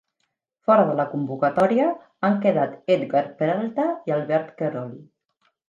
Fora de la convocatòria han quedat Edgar Peralta i Albert Querol.